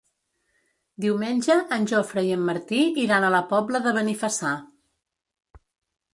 Diumenge en Jofre i en Martí iran a la Pobla de Benifassà.